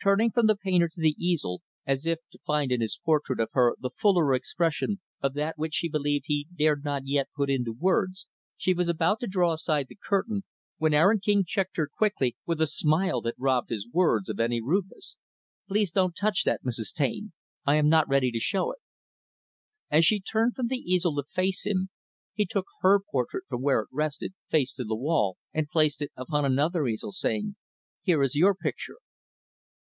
Turning from the painter to the easel, as if to find in his portrait of her the fuller expression of that which she believed he dared not yet put into words, she was about to draw aside the curtain; when Aaron King checked her quickly, with a smile that robbed his words of any rudeness. "Please don't touch that, Mrs. Taine. I am not yet ready to show it." As she turned from the easel to face him, he took her portrait from where it rested, face to the wall; and placed it upon another easel, saying, "Here is your picture."